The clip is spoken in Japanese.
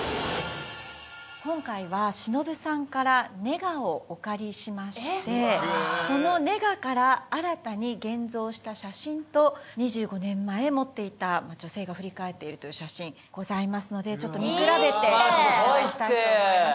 今回は忍さんからネガをお借りしましてそのネガから新たに現像した写真と２５年前持っていた女性が振り返っているという写真ございますのでちょっと見比べていきたいと思います